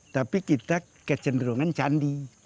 tapi kita kecenderungan candi